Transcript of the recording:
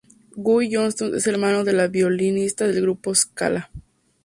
Guy Johnston es el hermano de la violinista del grupo Scala!